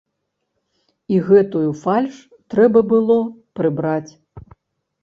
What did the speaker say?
І гэтую фальш трэба было прыбраць.